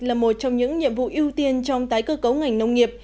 là một trong những nhiệm vụ ưu tiên trong tái cơ cấu ngành nông nghiệp